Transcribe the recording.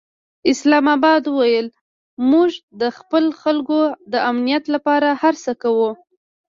اسلام اباد وویل، موږ د خپلو خلکو د امنیت لپاره هر څه کوو.